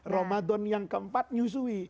romadhon yang keempat menyusui